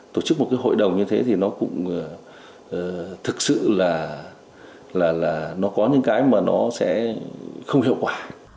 tổ chức một cái hội đồng như thế thì nó cũng thực sự là nó có những cái mà nó sẽ không hiệu quả